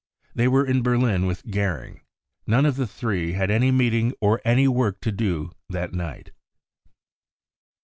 They were in Berlin with Goering. None of the three had any meeting or any work to do that night.